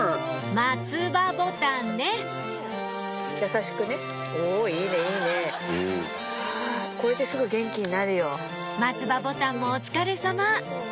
マツバボタンもお疲れさま！